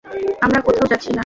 আমরা কোথাও যাচ্ছিনা।